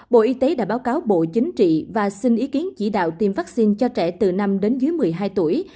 bộ y tế đã báo cáo bộ chính trị và xin ý kiến chỉ đạo tiêm vaccine cho trẻ từ năm đến dưới một mươi hai tuổi